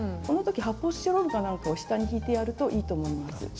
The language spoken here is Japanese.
このとき発泡スチロールか何かを下に敷いてやるといいと思います。